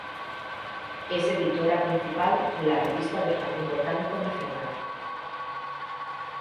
Es Editora principal de la Revista del Jardín Botánico Nacional.